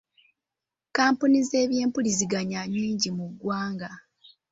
Kkampuni z'ebyempuliziganya nnyingi mu ggwanga.